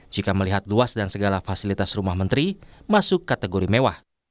jika melihat luas dan segala fasilitas rumah menteri masuk kategori mewah